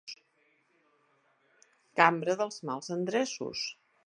Cambra dels mals endreços.